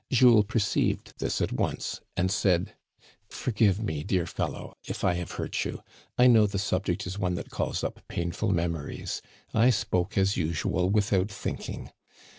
Jules perceived this at once and said : "Forgive me, dear fellow, if I have hurt you. I know the subject is one that calls up painful memories. I spoke, as usual, without thinking.